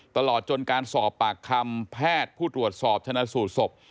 ตลอดจนการสอบปากคำแพทย์ผู้ตรวจสอบชนะสูตรศพ